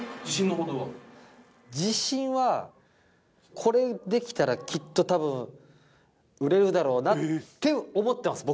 自信はこれできたらきっとたぶん売れるだろうなって思ってます